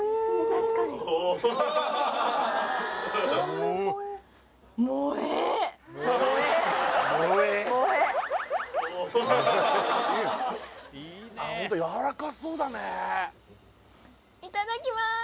確かにいただきまーす